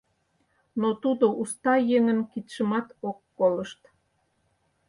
Но тудо уста еҥын кидшымат ок колышт.